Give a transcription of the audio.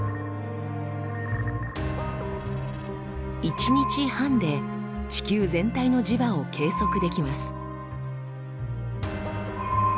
一日半で地球全体の磁場を計測できます。